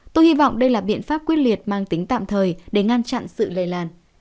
tôi hy vọng đây là biện pháp quyết liệt mang tính tạm thời để ngăn chặn sự lây lan